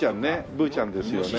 ブーちゃんですよね。